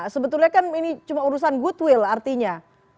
sebetulnya kan ini cuma urusan goodwill artinya